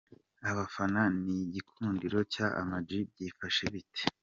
Abafana n’igikundiro cya Ama G byifashe bite ?.